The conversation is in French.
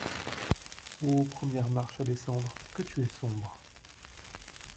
Ô première marche à descendre, que tu es sombre!